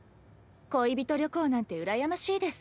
恋人旅行なんて羨ましいです。